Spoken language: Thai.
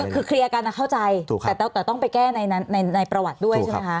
คือเคลียร์กันเข้าใจแต่ต้องไปแก้ในประวัติด้วยใช่ไหมคะ